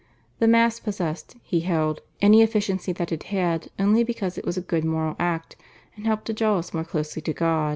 The Mass possessed, he held, any efficacy that it had only because it was a good moral act and helped to draw us more closely to God.